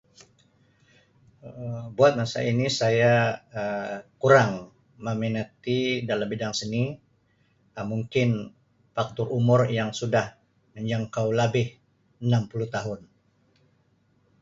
Um Buat masa ini saya Um kurang meminati dalam bidang seni Um mungkin faktor umur yang sudah menjangkau labih enam puluh tahun.